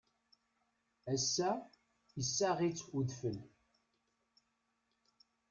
Ass-a, issaɣ-itt udfel.